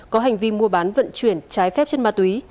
có hành vi mua bán vận chuyển trái phép chất ma túy